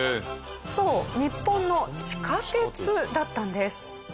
そう日本の地下鉄だったんです。